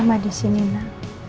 mama disini nak